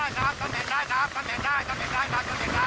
ได้ครับสังเกตได้ครับสังเกตได้ครับสังเกตได้ครับสังเกตได้ครับ